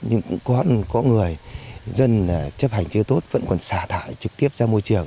nhưng cũng có người dân chấp hành chưa tốt vẫn còn xả thải trực tiếp ra môi trường